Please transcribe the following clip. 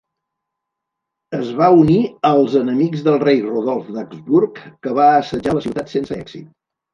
Es va unir als enemics del rei Rodolf d'Habsburg, que va assetjar la ciutat sense èxit.